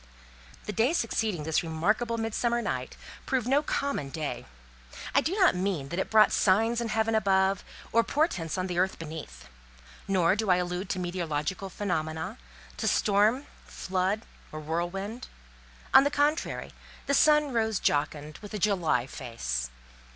The day succeeding this remarkable Midsummer night, proved no common day. I do not mean that it brought signs in heaven above, or portents on the earth beneath; nor do I allude to meteorological phenomena, to storm, flood, or whirlwind. On the contrary: the sun rose jocund, with a July face.